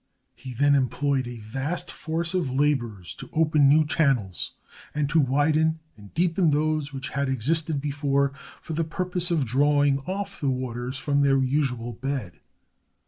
He then employed a vast force of laborers to open new channels, and to widen and deepen those which had existed before, for the purpose of drawing off the waters from their usual bed.